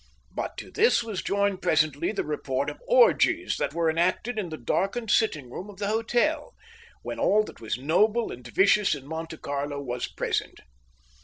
But to this was joined presently the report of orgies that were enacted in the darkened sitting room of the hotel, when all that was noble and vicious in Monte Carlo was present.